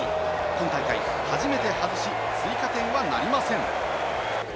今大会初めて外し、追加点はなりません。